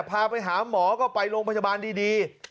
พาไปหาหมอก็ไปโรงพยาบาลดี